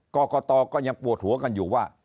กรกตก็ยังปวดหัวกันอยู่ว่า